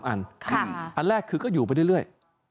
อันแรกคือก็อยู่ไปเรื่อย